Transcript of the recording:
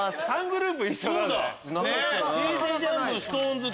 ３グループ一緒だぜ。